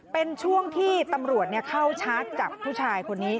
เป็นช่วงที่ตำรวจเข้าชาร์จจับผู้ชายคนนี้